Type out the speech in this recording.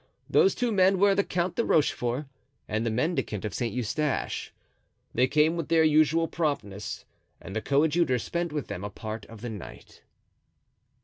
Those two men were the Count de Rochefort and the mendicant of Saint Eustache. They came with their usual promptness, and the coadjutor spent with them a part of the night.